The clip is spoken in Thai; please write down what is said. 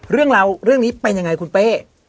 เรื่องราวเรื่องนี้เป็นยังไงคุณเป้